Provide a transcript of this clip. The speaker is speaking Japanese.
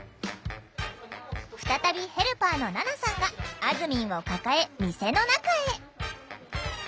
再びヘルパーの菜奈さんがあずみんを抱え店の中へ。